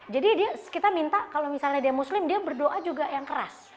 jadi kita minta kalau misalnya dia muslim dia berdoa juga yang keras